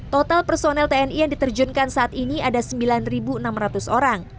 total personel tni yang diterjunkan saat ini ada sembilan enam ratus orang